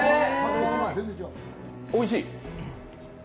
おいしい。